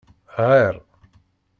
Ɣer!